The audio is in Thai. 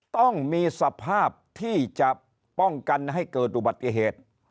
ต้องมีสภาพที่จะป้องกันให้เกิดอุบัติเหตุ